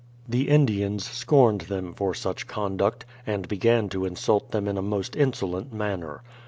The Indians scorned them for such conduct, and began to insult them in a most insolent manner.